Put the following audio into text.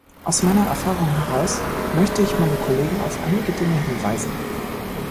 Aus meiner Erfahrung heraus möchte ich meine Kollegen auf einige Dinge hinweisen.